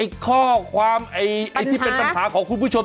ข้อความไอ้ที่เป็นปัญหาของคุณผู้ชม